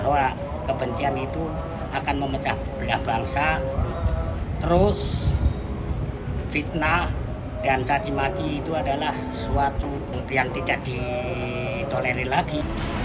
bahwa kebencian itu akan memecah belah bangsa terus fitnah dan cacimaki itu adalah suatu yang tidak ditoleri lagi